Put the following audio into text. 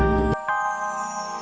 untuk membeli makanan